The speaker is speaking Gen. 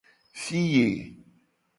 Fiye.